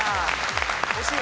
惜しい。